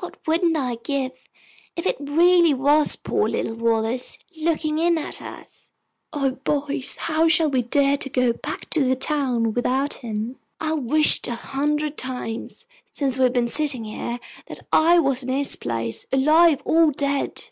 What wouldn't I give if it really was poor little Wallace looking in at us! O boys, how shall we dare to go back to the town without him? I've wished a hundred times, since we've been sitting here, that I was in his place, alive or dead!"